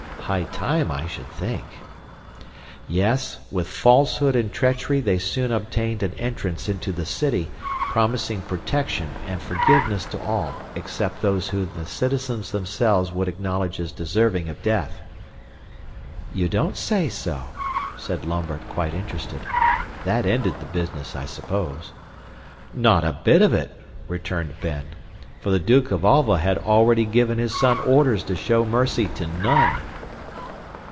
"High time, I should think." "Yes, with falsehood and treachery they soon obtained an entrance into the city, promising protection and forgiveness to all except those whom the citizens themselves would acknowledge as deserving of death." "You don't say so!" said Lambert, quite interested. "That ended the business, I suppose." "Not a bit of it," returned en, "for the Duke of Alva had already given his son orders to show mercy to none."